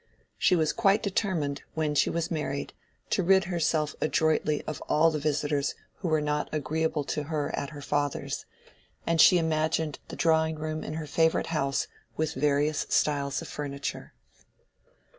She was quite determined, when she was married, to rid herself adroitly of all the visitors who were not agreeable to her at her father's; and she imagined the drawing room in her favorite house with various styles of furniture.